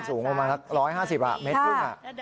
สูงประมาณ๑๕๐อ่ะเมตรกึ่ง